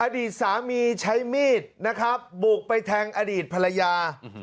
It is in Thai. อดีตสามีใช้มีดนะครับบุกไปแทงอดีตภรรยา